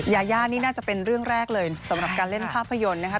ยาย่านี่น่าจะเป็นเรื่องแรกเลยสำหรับการเล่นภาพยนตร์นะคะ